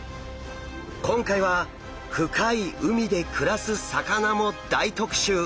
今回は深い海で暮らす魚も大特集！